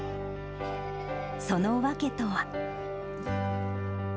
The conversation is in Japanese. その訳とは。